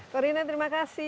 corina terima kasih